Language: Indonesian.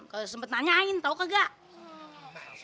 kalau sempat nanyain tahu enggak